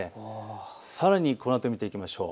さらにこのあと見ていきましょう。